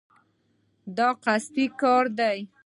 دا قصدي کار دی.